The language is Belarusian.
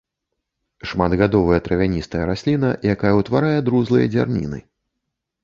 Шматгадовая травяністая расліна, якая ўтварае друзлыя дзярніны.